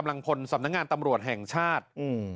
หลังพลสำนักงานตำรวจแห่งชาติ